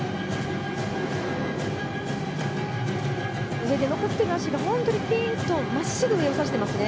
上で残っている脚がピンと真っすぐ上を指していますね。